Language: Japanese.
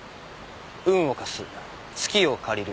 運を貸すつきを借りる。